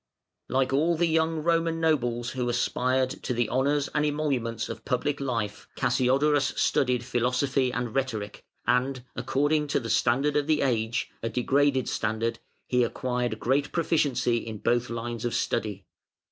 ] Like all the young Roman nobles who aspired to the honours and emoluments of public life, Cassiodorus studied philosophy and rhetoric, and, according to the standard of the age, a degraded standard, he acquired great proficiency in both lines of study.